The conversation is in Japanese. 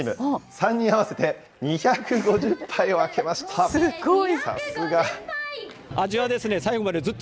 ３人合わせて２５０杯を空けましすごい。